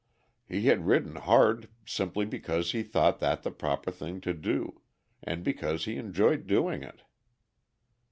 He had ridden hard simply because he thought that the proper thing to do and because he enjoyed doing it.